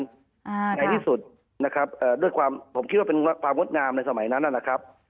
ในที่สุดนะครับเอ่อด้วยความผมคิดว่าเป็นความงดงามในสมัยนั้นนะครับ